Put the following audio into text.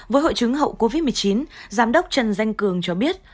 với hội chứng hậu covid một mươi chín giám đốc trần danh cường cho biết